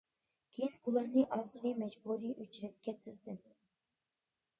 كېيىن ئۇلارنى ئاخىرى مەجبۇرىي ئۆچرەتكە تىزدى.